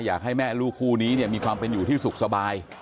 อยากให้แม่ลูกคู่นี้มีความเป็นอยู่ที่สุขสบาย